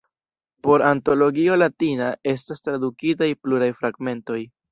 Por Antologio Latina estas tradukitaj pluraj fragmentoj.